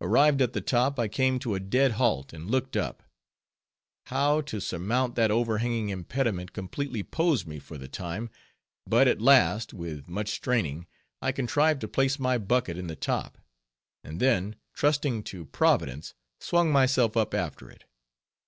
Arrived at the "top," I came to a dead halt, and looked up. How to surmount that overhanging impediment completely posed me for the time. But at last, with much straining, I contrived to place my bucket in the "top;" and then, trusting to Providence, swung myself up after it.